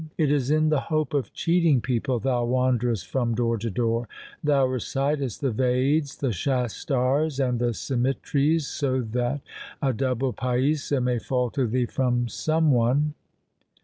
It is in the hope of cheating people thou wanderest from door to door. Thou recitest the Veds, the Shastars, and the Simritis, so that a double paisa may fall to thee from some one.